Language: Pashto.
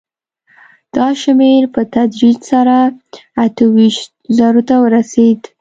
دا شمېر په تدریج سره اته ویشت زرو ته ورسېد